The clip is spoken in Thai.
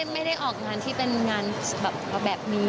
ไม่ได้ออกงานที่เป็นงานแบบนี้